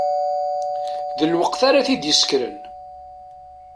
D lweqt ara t-id-iseknen.